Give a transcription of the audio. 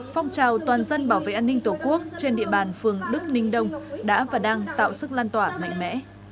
phong trào toàn dân bảo vệ an ninh tổ quốc trên địa bàn phường đức ninh đông đã và đang tạo sức lan tỏa mạnh mẽ